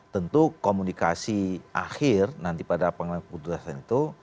tentu komunikasi akhir nanti pada pengambilan keputusan itu